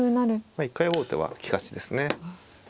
まあ一回王手は利かしですね。